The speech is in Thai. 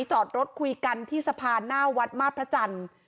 จอดรถคุยกันที่สะพานหน้าวัดมาตรพระจันทร์